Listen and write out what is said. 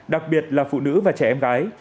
đặc biệt là phụ nữ và trẻ em gái